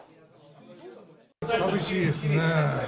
寂しいですね。